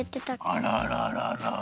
あらららら。